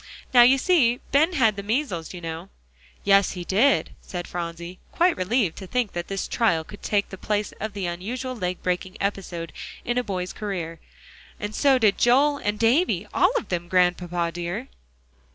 Now you see, Ben had the measles, you know." "Yes, he did," said Phronsie, quite relieved to think that this trial could take the place of the usual leg breaking episode in a boy's career. "And so did Joel, and Davie all of them, Grandpapa dear."